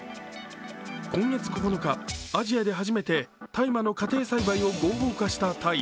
今月９日、アジアで初めて大麻の家庭栽培を合法化したタイ。